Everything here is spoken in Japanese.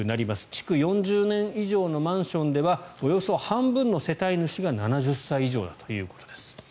築４０年以上のマンションではおよそ半分の世帯主が７０歳以上だということです。